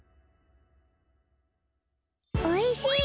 おいしい！